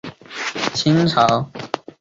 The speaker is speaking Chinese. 清朝时改为满洲。